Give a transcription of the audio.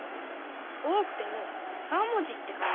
おおくても３もじってかんじ？